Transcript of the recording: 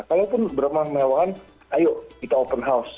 kalaupun berbuka puasa memang mewahkan ayo kita open house